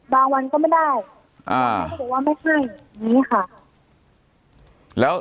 บางวันก็ไม่ได้แต่ว่าไม่ใช่อย่างนี้ค่ะ